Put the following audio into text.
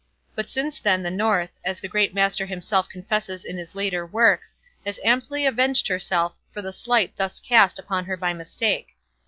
But since then the North, as the Great Master himself confesses in his later works, has amply avenged herself for the slight thus cast upon her by mistake.